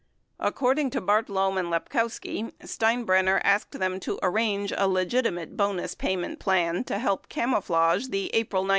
According to Bartlome and Lepkowski, Steinbrenner asked them to arrange a "legitimate bonus payment plan' to help camouflage the April 1972 transaction.